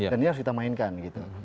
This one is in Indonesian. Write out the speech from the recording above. dan ini harus kita mainkan gitu